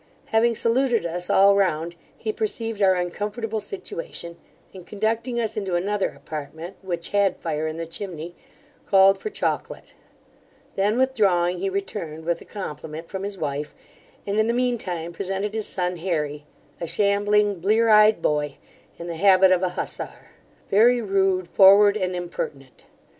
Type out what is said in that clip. Having saluted us all round, he perceived our uncomfortable situation, and conducting us into another apartment, which had fire in the chimney, called for chocolate Then, withdrawing, he returned with a compliment from his wife, and, in the mean time, presented his son Harry, a shambling, blear eyed boy, in the habit of a hussar; very rude, forward, and impertinent.